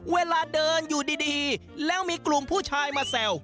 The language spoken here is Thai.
เวลาเดินอยู่ดีแล้วมีกลุ่มผู้ชายมาแซว